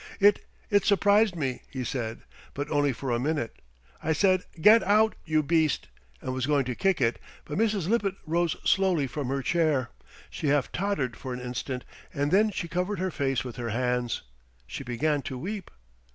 "It it surprised me," he said, "but only for a minute. I said, 'Get out, you beast!' and was going to kick it, but Mrs. Lippett rose slowly from her chair. She half tottered for an instant, and then she covered her face with her hands. She began to weep.